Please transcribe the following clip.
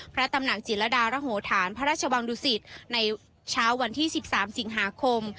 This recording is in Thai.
พระตำหนักจิตรดารโหธานพระราชวังดุสิตในเช้าวันที่๑๓สิงหาคม